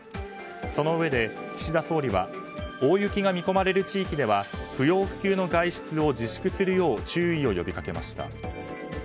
そのうえで岸田総理は大雪が見込まれる地域では不要不急の外出を自粛するよう注意を呼びかけました。